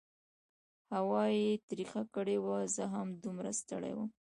هوا یې تربخه کړې وه، زه هم دومره ستړی وم.